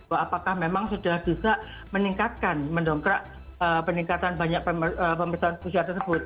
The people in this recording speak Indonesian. apakah memang sudah bisa meningkatkan mendongkrak peningkatan banyak pemerintahan usia tersebut